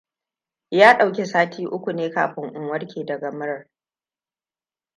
Ya ɗauki ne sati uku kafin in warke daga muran.